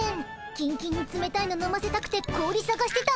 キンキンにつめたいの飲ませたくて氷さがしてた。